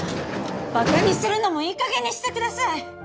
バカにするのもいいかげんにしてください！